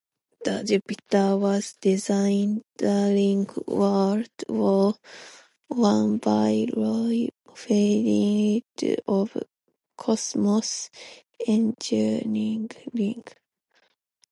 The Jupiter was designed during World War One by Roy Fedden of Cosmos Engineering.